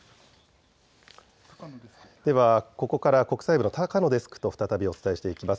では、ここから国際部の高野デスクと再びお伝えしていきます。